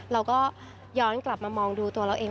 เราก็ย้อนกลับมามองดูตัวเราเอง